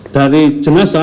dari jenazah tersebut